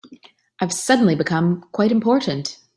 I've suddenly become quite important.